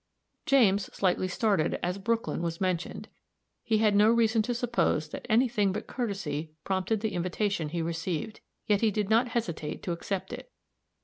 James slightly started as Brooklyn was mentioned. He had no reason to suppose that any thing but courtesy prompted the invitation he received; yet he did not hesitate to accept it.